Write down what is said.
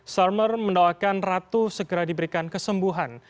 sarmer mendoakan ratu segera diberikan kesembuhan